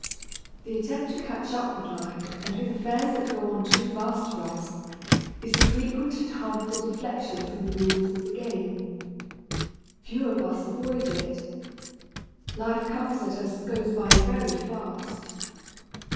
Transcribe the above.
The attempt to catch up with life and with affairs that go on too fast for us is a frequent and harmful deflection from the rules of the game. Few of us avoid it. Life comes at us and goes by very fast.